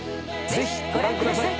ぜひご覧ください。